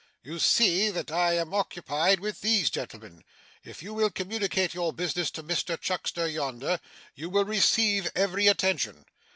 You see that I am occupied with these gentlemen. If you will communicate your business to Mr Chuckster yonder, you will receive every attention.